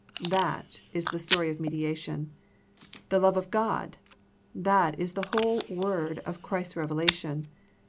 That is the story of mediation. " The love of God," that is the whole word of Christ's revelation.